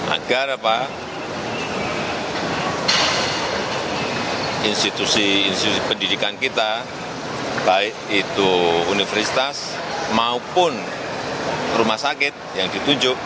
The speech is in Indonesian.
agar institusi institusi pendidikan kita baik itu universitas maupun rumah sakit yang ditunjuk